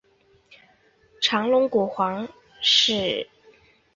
长龙骨黄耆是豆科黄芪属的植物。